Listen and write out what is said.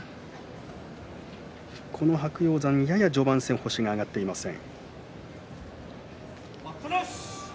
白鷹山、やや序盤戦星が挙がっていません。